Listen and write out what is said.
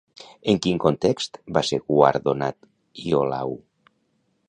En quin context va ser guardonat Iolau?